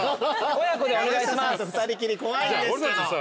山下さんと２人きり怖いんですけど。